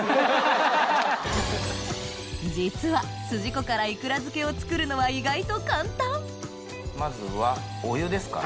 実は筋子からイクラ漬けを作るのは意外と簡単まずはお湯ですか？